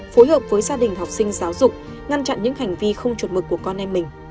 phối hợp với gia đình học sinh giáo dục ngăn chặn những hành vi không chuẩn mực của con em mình